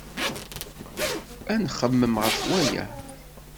Ad nxemmem ɣef waya.